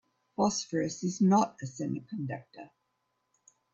Phosphorus is not a semiconductor.